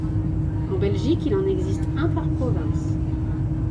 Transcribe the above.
En Belgique, il en existe un par province.